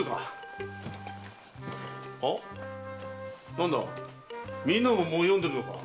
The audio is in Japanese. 何だみんなももう読んでるのか。